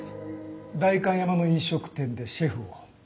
代官山の飲食店でシェフを。